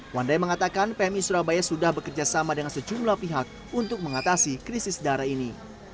wandai mengatakan pmi surabaya sudah bekerja sama dengan sejumlah pihak untuk mengatasi krisis darah ini